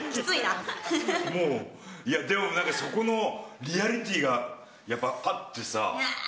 もう、いやでも、なんかそこのリアリティーがやっぱあってさ。